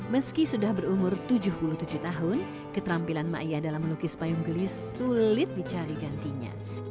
meski sudah berumur tujuh puluh tujuh tahun keterampilan ⁇ maiyah dalam melukis payung gelis sulit dicari gantinya